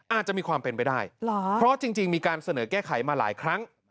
อาจจะมีความเป็นไปได้เพราะจริงมีการเสนอแก้ไขมาหลายครั้ง